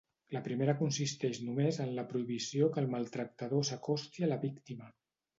La primera consisteix només en la prohibició que el maltractador s'acosti a la víctima.